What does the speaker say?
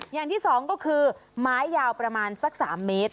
อย่างที่สองก็คือไม้ยาวประมาณสัก๓เมตร